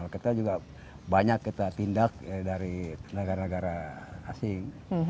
kita juga banyak kita tindak dari negara negara asing